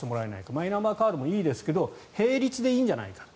マイナンバーカードもいいですけど並立でいいんじゃないかと。